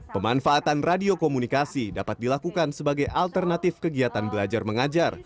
pemanfaatan radio komunikasi dapat dilakukan sebagai alternatif kegiatan belajar mengajar